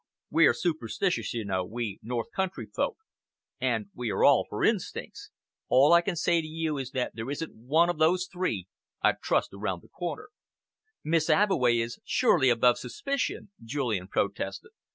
We're superstitious, you know, we north country folk, and we are all for instincts. All I can say to you is that there isn't one of those three I'd trust around the corner." "Miss Abbeway is surely above suspicion?" Julian protested.